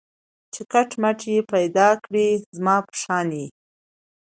چي کټ مټ یې پیدا کړی زما په شان یې